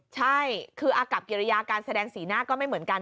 ใช่คืออากับกิริยาการแสดงสีหน้าก็ไม่เหมือนกัน